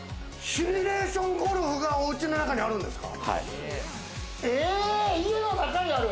シミュレーションゴルフがおうちの中にあるんですか？